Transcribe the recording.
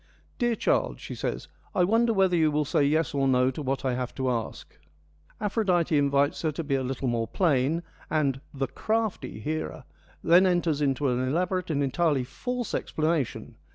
' Dear child,' she says, ' I wonder whether you will say yes or no to what I have to ask.' Aphrodite invites her to be a little more plain, and ' the crafty ' Hera then enters into an elaborate and entirely false explana tion.